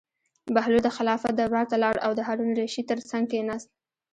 بهلول د خلافت دربار ته لاړ او د هارون الرشید تر څنګ کېناست.